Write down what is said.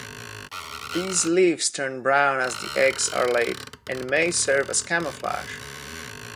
These leaves turn brown as the eggs are laid, and may serve as camouflage.